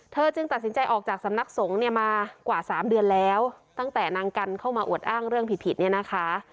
จึงตัดสินใจออกจากสำนักสงฆ์เนี่ยมากว่า๓เดือนแล้วตั้งแต่นางกันเข้ามาอวดอ้างเรื่องผิดผิดเนี่ยนะคะ